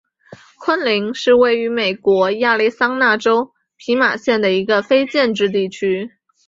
昆林是位于美国亚利桑那州皮马县的一个非建制地区。